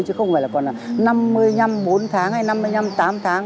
chứ không phải là còn là năm mươi năm bốn tháng hay năm mươi năm tám tháng